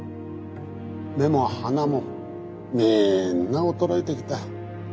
目も鼻もみんな衰えてきた。